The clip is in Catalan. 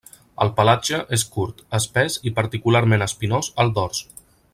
El pelatge és curt, espès i particularment espinós al dors.